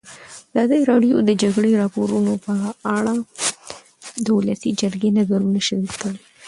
ازادي راډیو د د جګړې راپورونه په اړه د ولسي جرګې نظرونه شریک کړي.